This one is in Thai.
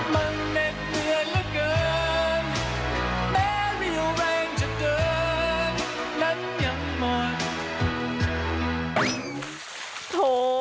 มันเน็ตเหนื่อยเหลือเกิน